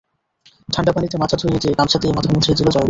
ঠান্ডা পানিতে মাথা ধুইয়ে দিয়ে গামছা দিয়ে মাথা মুছিয়ে দিল জয়গুন।